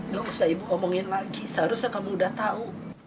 gak usah ibu omongin lagi seharusnya kamu udah tahu